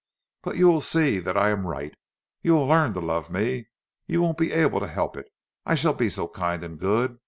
But you will see that I am right; you will learn to love me. You won't be able to help it—I shall be so kind and good!